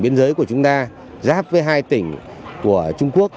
trong đó lực lượng công an đã bắt liên tiếp hàng chục vụ